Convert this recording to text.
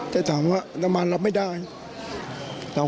จะสามว่าระมานเราไปได้ฤบิโนฯ